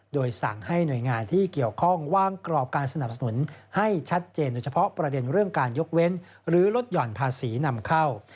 โดยสั่งให้หน่วยงานที่เกี่ยวข้องวางกรอบการสนับสนุนให้ชัดเจนโดยเฉพาะประเด็นเรื่องการยกเว้นหรือลดหย่อนภาษีนำเข้า